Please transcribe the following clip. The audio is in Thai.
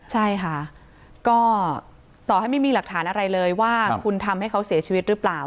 ใช่ค่ะก็ต่อให้ไม่มีหลักฐานอะไรเลยว่าคุณทำให้เขาเสียชีวิตหรือเปล่า